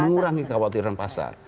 mengurangi kekhawatiran pasar